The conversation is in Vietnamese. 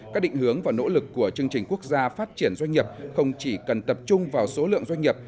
các định hướng và nỗ lực của chương trình quốc gia phát triển doanh nghiệp không chỉ cần tập trung vào số lượng doanh nghiệp